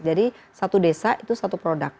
jadi satu desa itu satu produk